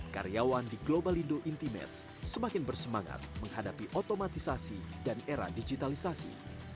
karyawan di global indo intimates semakin bersemangat menghadapi otomatisasi dan era digitalisasi